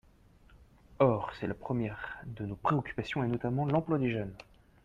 Or c’est la première de nos préoccupations, et notamment l’emploi des jeunes.